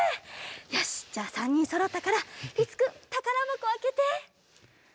よしっじゃあ３にんそろったからりつくんたからばこあけて。